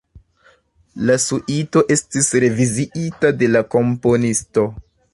La suito estis reviziita de la komponisto.